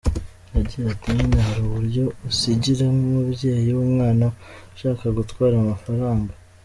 Yagize ati “Nyine hari uburyo usigira nk’umubyeyi w’umwana ushaka gutwara amafaranga.